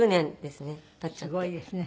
すごいですね。